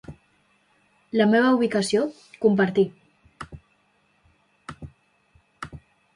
La meva ubicació, compartir.